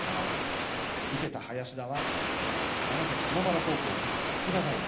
受けた林田は長崎・島原高校から筑波大学